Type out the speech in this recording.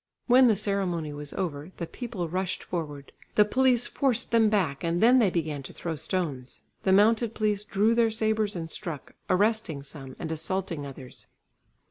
When the ceremony was over, the people rushed forward. The police forced them back, and then they began to throw stones. The mounted police drew their sabres and struck, arresting some and assaulting others.